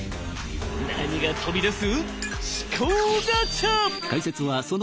何が飛び出す？